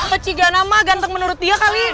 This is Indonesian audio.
peciga nama ganteng menurut dia kali